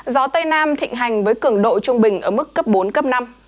gió tây nam thịnh hành với cường độ trung bình ở mức cấp bốn cấp năm